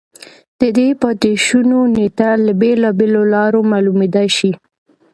د دې پاتې شونو نېټه له بېلابېلو لارو معلومېدای شي